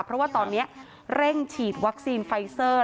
เพราะว่าตอนนี้เร่งฉีดวัคซีนไฟเซอร์